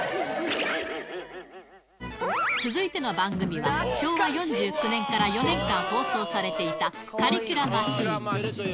続いての番組は、昭和４９年から４年間放送されていた、カリキュラマシーン。